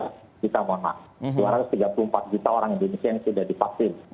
eh dua ratus tiga puluh tiga juta mona dua ratus tiga puluh empat juta orang indonesia yang sudah dipaksin